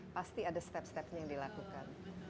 pasti ada langkah langkah yang dilakukan